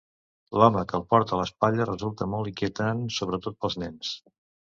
L'home que el porta a l'espatlla resulta molt inquietant, sobretot pels nens.